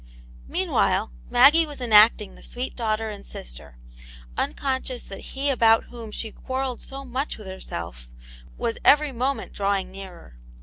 Meanwhile Maggie was enacting the sweet daugh ter and sister, unconscious that he about whom she quarrelled so much with herself was every moment drawing nearer.